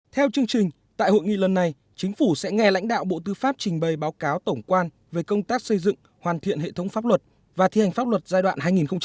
theo chương trình tại hội nghị lần này chính phủ sẽ nghe lãnh đạo bộ tư pháp trình bày báo cáo tổng quan về công tác xây dựng hoàn thiện hệ thống pháp luật và thi hành pháp luật giai đoạn hai nghìn một mươi sáu hai nghìn hai mươi